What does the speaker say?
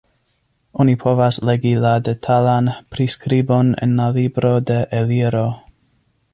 Oni povas legi la detalan priskribon en la libro de Eliro.